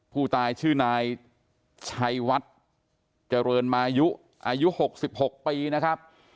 ผู้ตายชื่อนายชัยวัดเจริญมายุอายุ๖๖ปีนะครับ